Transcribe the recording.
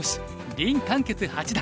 林漢傑八段。